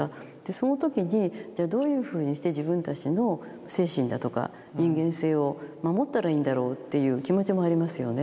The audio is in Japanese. その時にじゃあどういうふうにして自分たちの精神だとか人間性を守ったらいいんだろうっていう気持ちもありますよね。